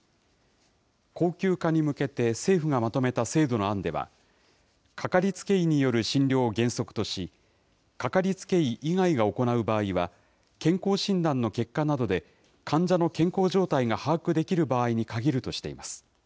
恒久化に向けて政府がまとめた制度の案では、掛かりつけ医による診療を原則とし、掛かりつけ医以外が行う場合は健康診断の結果などで患者の健康状態が把握できる場合に限るとしています。